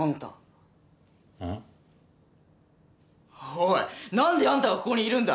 おいなんでアンタがここにいるんだ！？